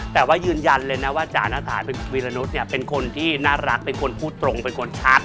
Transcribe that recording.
แต่ว่ายืนยันเลยนะว่าจานฐานวีรนุษย์เป็นคนที่น่ารักเป็นคนพูดตรงเป็นคนชัด